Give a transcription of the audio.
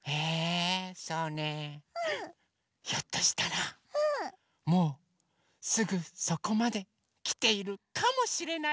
ひょっとしたらもうすぐそこまできているかもしれない。